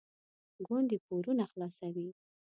ګوندې پورونه خلاصوي.